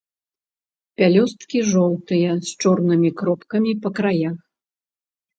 Пялёсткі жоўтыя з чорнымі кропкамі па краях.